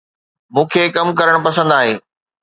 مون کي ڪم ڪرڻ پسند آهي